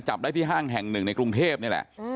จับได้ที่ห้างแห่งหนึ่งในกรุงเทพนี่แหละ